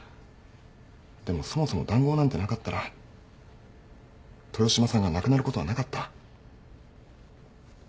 でもそもそも談合なんてなかったら豊島さんが亡くなることはなかった。